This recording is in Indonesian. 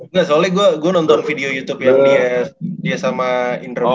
enggak soalnya gua nonton video youtube yang dia sama interview sama